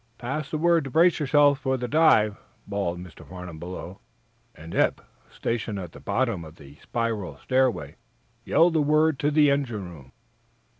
"Pass the word to brace yourselves for the dive!" bawled Mr. Farnum below, and Eph, stationed at the bottom of the spiral stairway, yelled the word to the engine room.